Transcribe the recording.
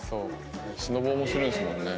スノボもするんですもんね。